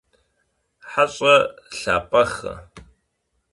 Heş'e lhap'exe!